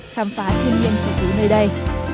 khám phá thiên nhiên thể tử nơi đây